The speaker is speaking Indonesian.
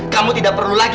kamu tidak perlu lagi